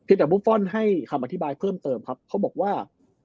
อิตาลีให้คำอธิบายเพิ่มเติมครับเขาบอกว่า